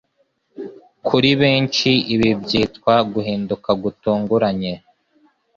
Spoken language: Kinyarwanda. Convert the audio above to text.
Kuri benshi ibi byitwa guhinduka gutunguranye;